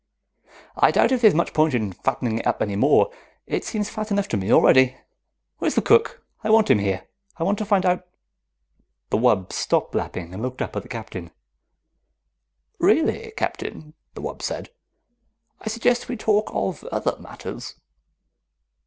I doubt if there's much point in fattening it up any more. It seems fat enough to me already. Where's the cook? I want him here. I want to find out " The wub stopped lapping and looked up at the Captain. "Really, Captain," the wub said. "I suggest we talk of other matters."